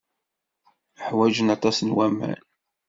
Ḥwajen aṭas n waman.